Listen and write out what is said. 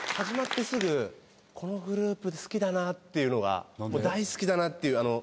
始まってすぐこのグループ好きだなっていうのが大好きだなっていう。